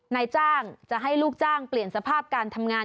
นายจ้างจะให้ลูกจ้างเปลี่ยนสภาพการทำงาน